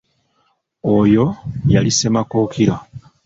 Oyo yali Ssemakookiro.